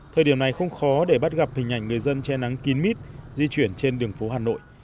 thời điểm này không khó để bắt gặp hình ảnh người dân che nắng kín mít di chuyển trên đường phố hà nội